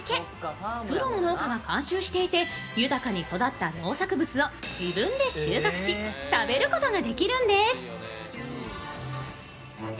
プロの農家が監修していて豊かに育った農作物を自分で収穫し食べることができるんです。